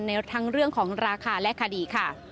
ในทั้งเรื่องของราคาและคดีค่ะ